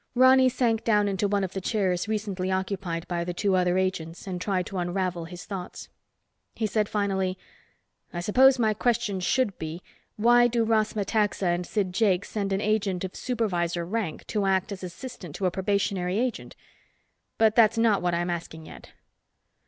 Ronny sank down into one of the chairs recently occupied by the other two agents and tried to unravel thoughts. He said finally, "I suppose my question should be, why do Ross Metaxa and Sid Jakes send an agent of supervisor rank to act as assistant to a probationary agent? But that's not what I'm asking yet.